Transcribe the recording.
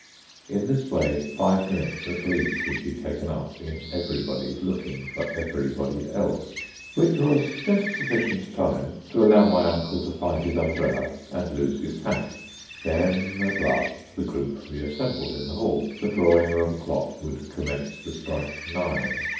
In this way, five minutes at least would be taken up in everybody's looking for everybody else, which was just sufficient time to allow my uncle to find his umbrella and lose his hat. Then, at last, the group reassembled in the hall, the drawing room clock would commence to strike nine.